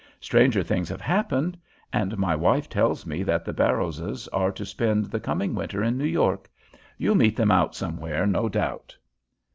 Stranger things have happened; and my wife tells me that the Barrowses are to spend the coming winter in New York. You'll meet them out somewhere, no doubt."